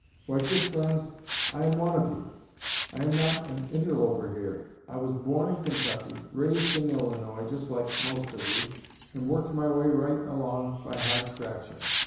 Why, good friends, I am one of you; I am not an interloper here! I was born in Kentucky, raised in Illinois, just like the most of you, and worked my way right along by hard scratching.